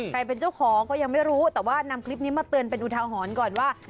เป็นเจ้าของก็ยังไม่รู้แต่ว่านำคลิปนี้มาเตือนเป็นอุทาหรณ์ก่อนว่า